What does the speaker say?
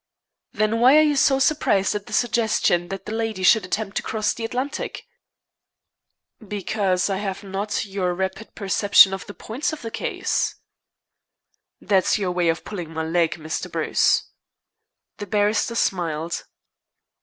"Then why are you so surprised at the suggestion that the lady should attempt to cross the Atlantic?" "Because I have not your rapid perception of the points of the case." "That's your way of pulling my leg, Mr. Bruce." The barrister smiled.